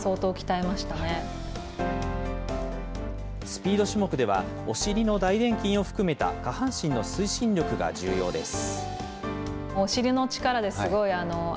スピード種目では、お尻の大殿筋を含めた下半身の推進力が重要です。